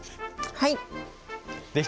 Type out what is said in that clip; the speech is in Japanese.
はい。